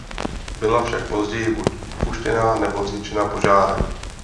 Byla však později buď opuštěna nebo zničena požárem.